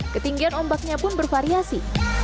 ketinggian ombaknya pun bervariasi